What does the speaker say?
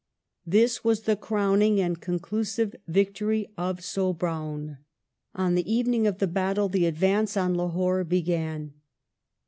This was the crowning and conclusive victory of Sobraon. On the evening of the battle the advance on Lahore began.